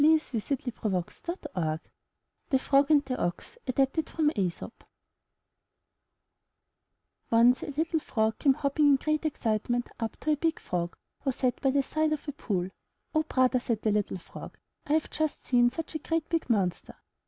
laddy! 177 MY BOOK HOUSE THE FROG AND THE OX Adapted from Aesop Once a Little Frog came hopping in great excite ment up to a Big Frog who sat by the side of a pool. ''Oh, Brother/' said the Little Frog, ''I have just seen such a great big monster!